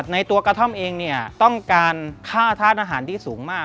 ในตัวกระท่อมเองเนี่ยต้องการค่าธาตุอาหารที่สูงมาก